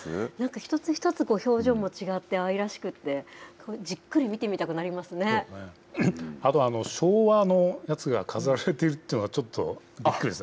一つ一つ表情も違って愛らしくって、じっくり見てみたくなりあと昭和のやつが飾られているっていうのは、ちょっとびっくりしました。